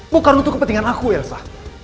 bukan untuk kepentingan aku elsa